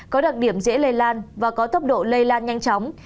có đặc điểm dễ lây lan và có tốc độ lây lan nhanh chóng